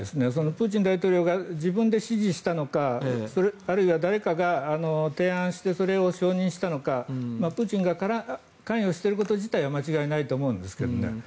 プーチン大統領が自分で指示したのかあるいは誰かが提案してそれを承認したのかプーチンが関与していること自体は間違いないと思うんですけどね。